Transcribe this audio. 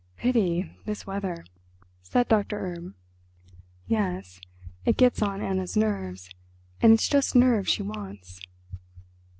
"Pity—this weather," said Doctor Erb. "Yes, it gets on Anna's nerves, and it's just nerve she wants."